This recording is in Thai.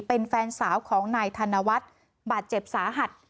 เป็นแฟนสาวของนายธนวัฒน์บาดเจ็บสาหัส